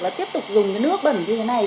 là tiếp tục dùng nước bẩn như thế này